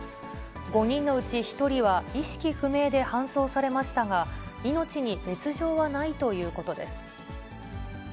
５人のうち１人は意識不明で搬送されましたが、命に別状はないということです。